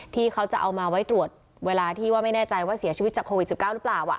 ที่เขาจะเอามาไว้ตรวจเวลาที่ว่าไม่แน่ใจว่าเสียชีวิตจากโควิด๑๙หรือเปล่า